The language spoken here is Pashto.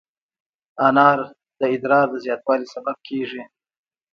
انار د ادرار د زیاتوالي سبب کېږي.